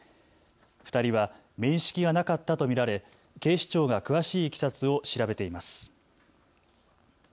２人は面識がなかったと見られ警視庁が詳しいいきさつを調べています。